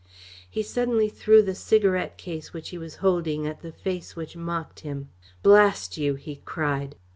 He suddenly threw the cigarette case which he was holding at the face which mocked him. "Blast you!" he cried.